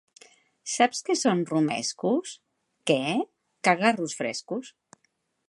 Saps què són romescos? —Què? —Cagarros frescos!